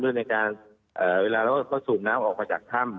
ด้วยในการเวลาเราก็สูบน้ำออกไปจากท่ำ